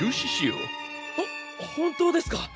ほ本当ですか！？